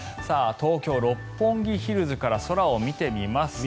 東京・六本木ヒルズから空を見てみますと。